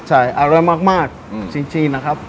ใช่อร่อยมากจริงนะครับ